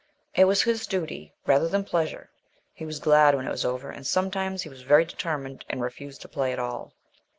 It was his duty, rather than pleasure; he was glad when it was over, and sometimes he was very determined and refused to play at all.